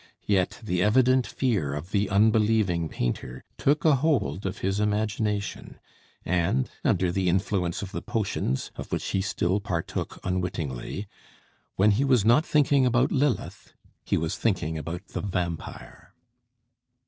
Yet the evident fear of the unbelieving painter took a hold of his imagination; and, under the influence of the potions of which he still partook unwittingly, when he was not thinking about Lilith, he was thinking about the vampire.